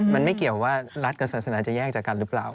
มันไม่เกี่ยวว่ารัฐกับศาสนาจะแยกจากกันหรือเปล่า